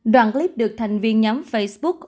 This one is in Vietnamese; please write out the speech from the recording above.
đoạn clip được thành viên nhóm facebook